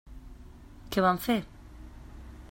Què van fer?